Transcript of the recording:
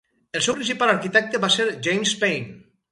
El seu principal arquitecte va ser James Pain.